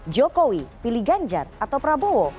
jokowi pilih ganjar atau prabowo